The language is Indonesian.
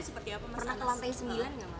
pernah kelompok ismi